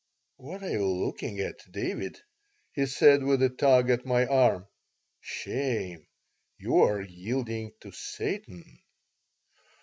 "What are you looking at, David?" he said, with a tug at my arm. "Shame! You are yielding to Satan."